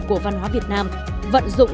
của văn hóa việt nam vận dụng